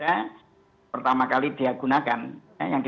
yang pertama lagi